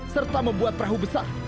serta membuat perahu besar